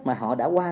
mà họ đã qua